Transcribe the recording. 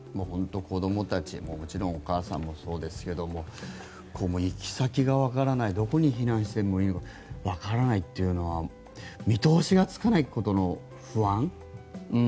本当に子どもたちももちろんお母さんもそうですけど行き先がわからないどこへ避難していいのかわからないというのは見通しがつかないことの不安。